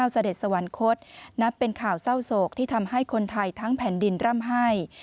เสด็จสวรรคตนับเป็นข่าวเศร้าโศกที่ทำให้คนไทยทั้งแผ่นดินร่ำไห้